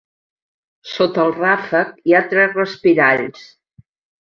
Sota el ràfec hi ha tres respiralls.